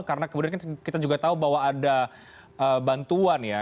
karena kemudian kita juga tahu bahwa ada bantuan ya